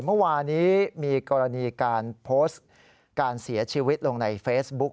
เมื่อวานี้มีกรณีการโพสต์การเสียชีวิตลงในเฟซบุ๊ก